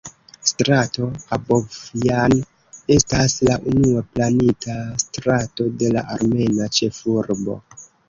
Strato Abovjan estas la unua planita strato de la armena ĉefurbo.